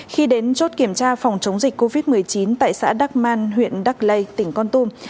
khi đến chốt kiểm tra phòng chống dịch covid một mươi chín tại xã đắc man huyện đắc lây tỉnh con tum